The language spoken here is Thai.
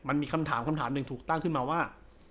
มันมีคำถามคำถามหนึ่งถูกตั้งขึ้นมาว่า